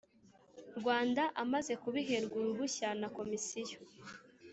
Rwanda amaze kubiherwa uruhushya na komisiyo